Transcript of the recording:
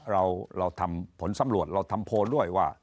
เราทำผลสำรวจเราทำโพลด้วยว่า